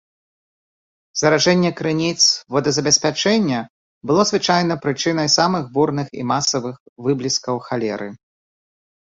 Заражэння крыніц водазабеспячэння было звычайна прычынай самых бурных і масавых выбліскаў халеры.